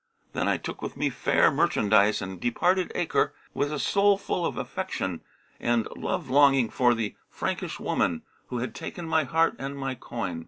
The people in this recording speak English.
Then I took with me fair merchandise and departed Acre with a soul full of affection and love longing for the Frankish woman, who had taken my heart and my coin.